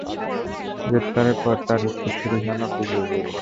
গ্রেফতারের পর তার উত্তরসূরি হন অপূর্ব বড়ুয়া।